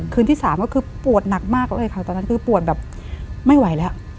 ที่สามก็คือปวดหนักมากเลยค่ะตอนนั้นคือปวดแบบไม่ไหวแล้ว